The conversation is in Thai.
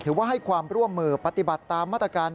ให้ความร่วมมือปฏิบัติตามมาตรการ